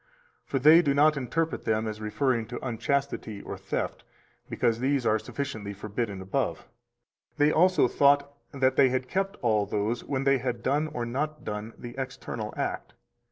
For they do not interpret them as referring to unchastity or theft, because these are sufficiently forbidden above. They also thought that they had kept all those when they had done or not done the external act.